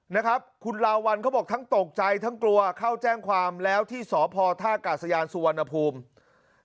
นะครับคุณลาวัลเขาบอกทั้งตกใจทั้งกลัวเข้าแจ้งความแล้วที่สพท่ากาศยานสุวรรณภูมิ